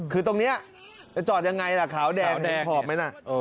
คือตรงนี้จะจอดอย่างไรล่ะขาวแดงเห็นพอบไหมน่ะ